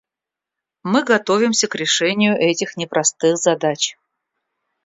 Мы готовимся к решению этих непростых задач.